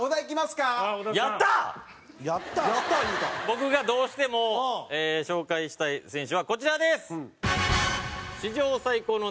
僕がどうしても紹介したい選手はこちらです。